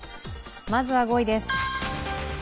まずは５位です。